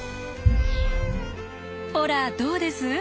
ほらどうです？